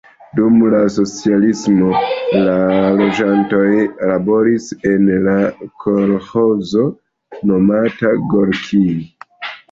Dum la socialismo la loĝantoj laboris en kolĥozo nomata Gorkij.